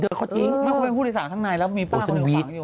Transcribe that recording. ถ้าเป็นคุณแม่ขอโทษนะคุณแม่เป็นผู้ใส่สารข้างในแล้วมีป้าคนอีกฝั่งอยู่